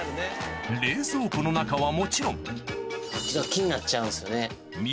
冷蔵庫の中はもちろん気になっちゃうんですよね。